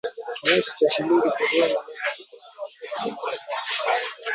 Kiasi cha shilingi bilioni nane